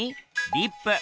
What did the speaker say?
リップ。